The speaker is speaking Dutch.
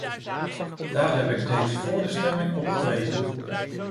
Daar heb ik reeds voor de stemming op gewezen.